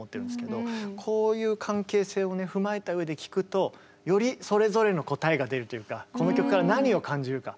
こういう関係性を踏まえた上で聴くとよりそれぞれの答えが出るというかこの曲から何を感じるか。